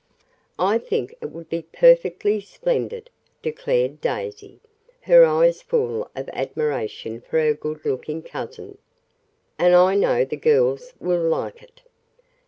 "I think it would be perfectly splendid," declared Daisy, her eyes full of admiration for her good looking cousin. "And I know the girls will like it."